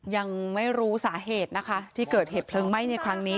ยังไม่รู้สาเหตุนะคะที่เกิดเหตุเพลิงไหม้ในครั้งนี้